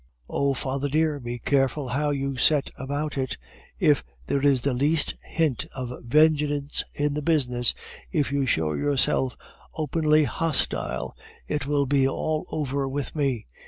"Oh! father dear, be careful how you set about it! If there is the least hint of vengeance in the business, if you show yourself openly hostile, it will be all over with me.